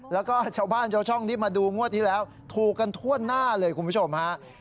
แล้วก็ชาวบ้านชาวช่องที่มาดูงวดที่แล้วถูกกันทั่วหน้าเลยคุณผู้ชมฮะ